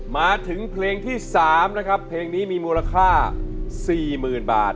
มาถึงเพลงที่๓นะครับเพลงนี้มีมูลค่า๔๐๐๐บาท